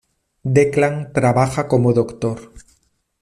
Declan trabaja como doctor.